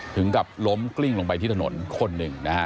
ถึงกับล้มกลิ้งลงไปที่ถนนคนหนึ่งนะฮะ